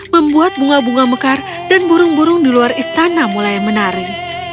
membuat bunga bunga mekar dan burung burung di luar istana mulai menari